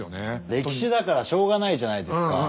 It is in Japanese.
歴史だからしょうがないじゃないですか。